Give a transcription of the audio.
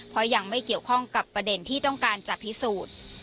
เพราะยังไม่เกี่ยวข้องกับประเด็นที่ต้องการจะพิสูจน์